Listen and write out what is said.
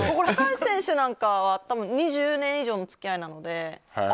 高橋選手なんかは２０年以上の付き合いなので。